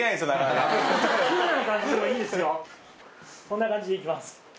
こんな感じで行きます。